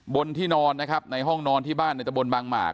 บนที่นอนนะครับในห้องนอนที่บ้านในตะบนบางหมาก